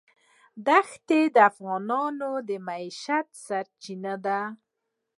دښتې د افغانانو د معیشت سرچینه ده.